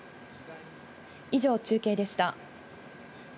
以上、中継でした。